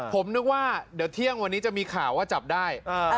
ผมนึกว่าเดี๋ยวเที่ยงวันนี้จะมีข่าวว่าจับได้